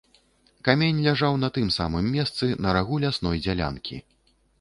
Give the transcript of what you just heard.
Камень ляжаў на тым самым месцы, на рагу лясной дзялянкі.